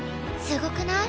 すごくない？